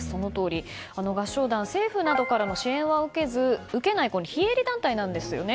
合唱団政府などからの支援を受けない非営利団体なんですよね。